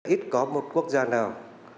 ít có một quốc gia nào